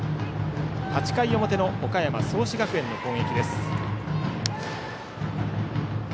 ８回表の岡山・創志学園の攻撃。